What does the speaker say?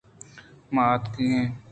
ما آتک ایں